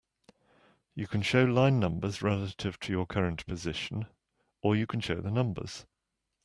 You can show line numbers relative to your current position, or you can show the numbers.